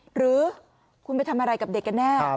หรือคุณไปทำอะไรกับเด็กกันแน่